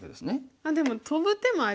あっでもトブ手もありますね。